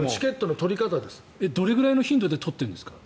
どれくらいの頻度で取っているんですか？